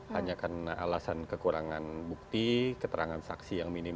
hanya karena alasan kekurangan bukti keterangan saksi yang minim